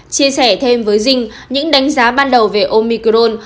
chia sẻ thêm với dinh những đánh giá ban đầu về omicrone